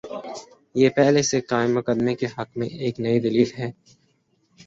یہ پہلے سے قائم مقدمے کے حق میں ایک نئی دلیل ہے۔